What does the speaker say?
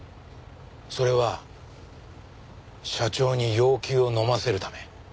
それは社長に要求をのませるため。